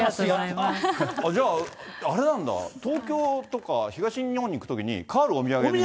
じゃあ、あれなんだ、東京とか東日本に行くときに、カールをお土産にしたら。